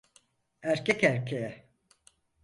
Erkek erkeğe.